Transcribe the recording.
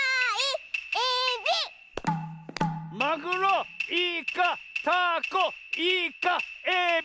マグロイカタコイカエビ！